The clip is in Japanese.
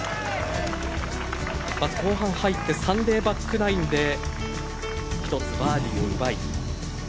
後半入ってサンデーバックナインで１つバーディーを奪い。